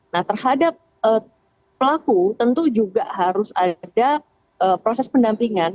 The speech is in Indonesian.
nah terhadap pelaku tentu juga harus ada proses pendampingan